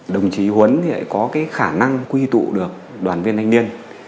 đồng chí huấn có khả năng quy tụ được đoàn viên thanh niên